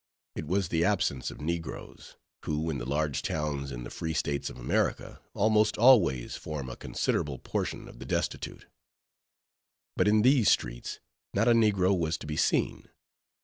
It was the absence of negroes; who in the large towns in the "free states" of America, almost always form a considerable portion of the destitute. But in these streets, not a negro was to be seen.